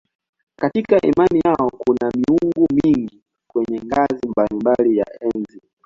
Katika imani yao kuna miungu mingi kwenye ngazi mbalimbali ya enzi.